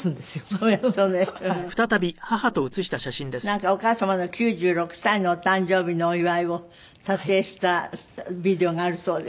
なんかお母様の９６歳のお誕生日のお祝いを撮影したビデオがあるそうですので。